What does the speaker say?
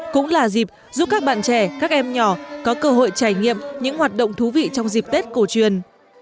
cũng là dịp giúp các bạn trẻ các em nhỏ có cơ hội trải nghiệm những hoạt động thú vị trong dịp tết cổ truyền